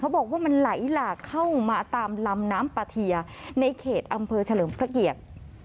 เค้าบอกว่ามันไหลหลากเข้ามาตามลำน้ำป่าเถียในเขตอำเพิร์ชะลมพระเกียจ